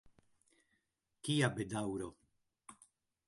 Kia bedaŭro!